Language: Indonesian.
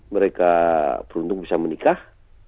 mereka beruntung bisa menikah